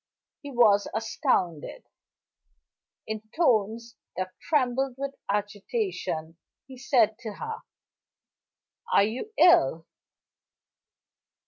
He was astounded. In tones that trembled with agitation, he said to her: "Are you ill?"